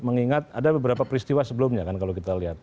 mengingat ada beberapa peristiwa sebelumnya kan kalau kita lihat